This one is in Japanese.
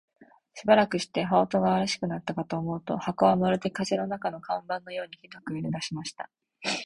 しばらくして、羽音が烈しくなったかと思うと、箱はまるで風の中の看板のようにひどく揺れだしました。